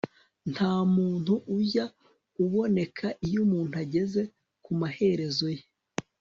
nta muti ujya uboneka iyo umuntu ageze ku maherezo ye